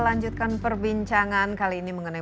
lanjutkan perbincangan kali ini mengenai